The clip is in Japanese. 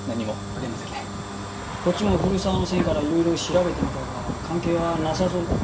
こっちも古沢の線からいろいろ調べてみたが関係はなさそうだな。